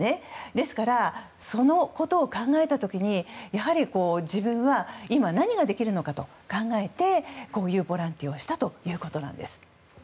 ですから、そのことを考えた時にやはり自分は今、何ができるのかと考えてこういうボランティアをしたというわけです。